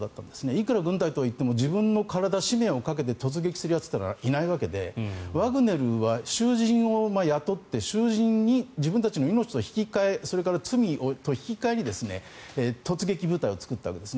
いくら軍隊とはいえ自分の体、使命をかけて突撃する人はいないわけでワグネルは囚人を雇って囚人に自分たちの命と引き換えそれから罪と引き換えに突撃部隊を作ったわけです。